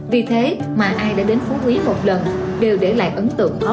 vì thế mà ai đã đến phú quý một lần